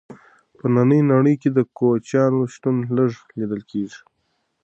په ننۍ نړۍ کې د کوچیانو شتون لږ لیدل کیږي.